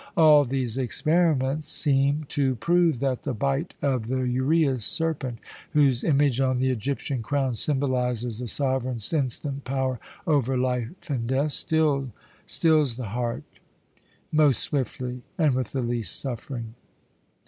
All these experiments seem to prove that the bite of the uræus serpent, whose image on the Egyptian crown symbolizes the sovereign's instant power over life and death, stills the heart most swiftly and with the least suffering.